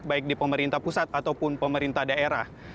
baik di pemerintah pusat ataupun pemerintah daerah